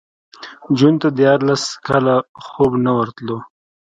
جون ته دیارلس کاله خوب نه ورتلو